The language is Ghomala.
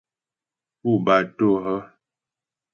Pú batô hə́ ?